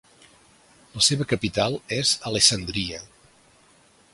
La seva capital és Alessandria.